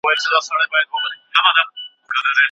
دا رنګ تر هغه بل ډېر ښکلی دی.